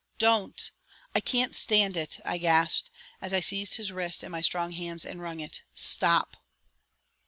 "Don't! I can't stand it!" I gasped, as I seized his wrist in my strong hands and wrung it. "Stop!"